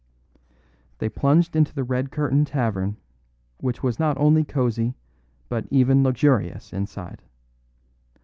They plunged into the red curtained tavern, which was not only cosy, but even luxurious inside.